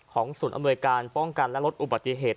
ศูนย์อำนวยการป้องกันและลดอุบัติเหตุ